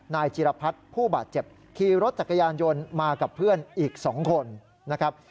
นายจิรพัฒน์ผู้บาดเจ็บขี่รถจักรยานยนต์มากับเพื่อนอีก๒คนนะครับ